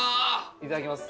いただきます。